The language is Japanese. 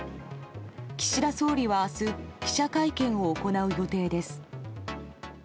岸田総理は明日記者会見を行う予定です。